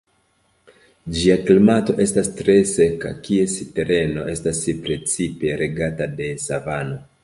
Ĝia klimato estas tre seka, kies tereno estas precipe regata de savano.